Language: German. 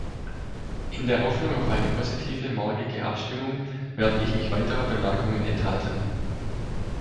In der Hoffnung auf eine positive morgige Abstimmung werde ich mich weiterer Bemerkungen enthalten.